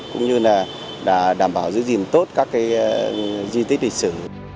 cũng như là đảm bảo giữ gìn tốt các di tích lịch sử